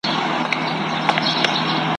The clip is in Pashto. کله به بیرته کلي ته راسي `